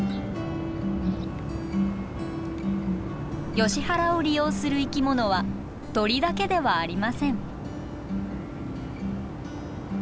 ヨシ原を利用する生き物は鳥だけではありません。